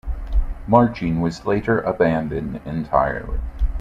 Marching was later abandoned entirely.